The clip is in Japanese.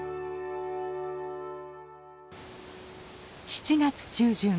７月中旬。